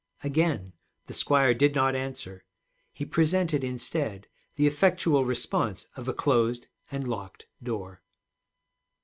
Again the squire did not answer. He presented instead the effectual response of a closed and locked door.